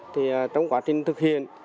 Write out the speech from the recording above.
thì trong quá trình thực hiện